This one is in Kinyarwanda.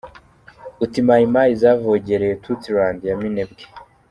Uti Mai Mai zavogereye “Tutsiland” ya Minembwe.